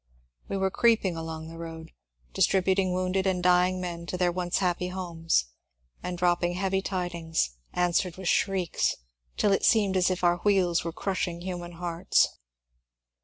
We were creeping along the road, distributing wounded and dying men to their once happy homes, and dropping heavy tidings, answered with shrieks, till it seemed as if our wheels were crushing human hearts.